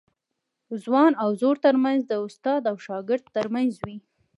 ځوان او زوړ ترمنځ د استاد او شاګرد ترمنځ وي.